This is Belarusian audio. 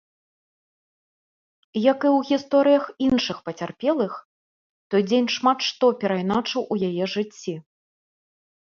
Як і ў гісторыях іншых пацярпелых, той дзень шмат што перайначыў у яе жыцці.